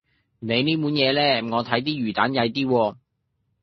你呢碗嘢呢，我睇啲魚蛋曳啲喎